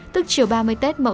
tức chứa là một lần nữa